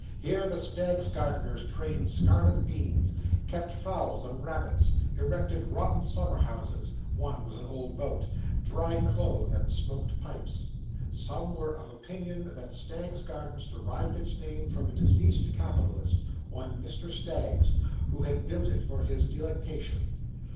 Here, the Staggs's Gardeners trained scarlet beans, kept fowls and rabbits, erected rotten summer houses (one was an old boat), dried clothes, and smoked pipes. Some were of opinion that Staggs's Gardens derived its name from a deceased capitalist, one Mr Staggs, who had built it for his delectation.